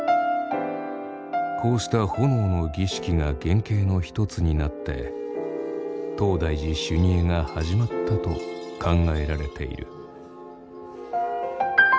こうした炎の儀式が原型の一つになって東大寺修二会が始まったと考えられている。